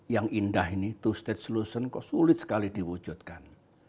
yang indah ini two state solution kok sulit sekali diwujudkan